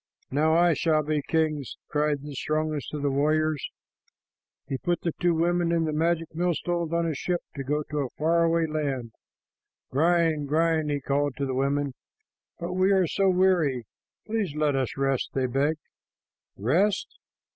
"Now I shall be king," cried the strongest of the warriors. He put the two women and the magic millstones on a ship to go to a far away land. "Grind, grind," he called to the women. "But we are so weary. Please let us rest," they begged. "Rest?